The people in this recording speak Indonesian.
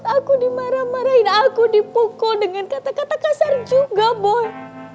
aku dimarah marahin aku dipukul dengan kata kata kasar juga boy